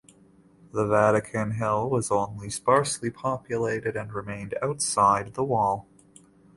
The Vatican Hill was only sparsely populated and remained outside the wall.